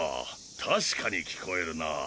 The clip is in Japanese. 確かに聞こえるな。